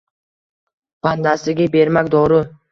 Bandasiga bermak doru